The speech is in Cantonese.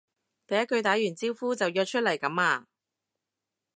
第一句打完招呼就約出嚟噉呀？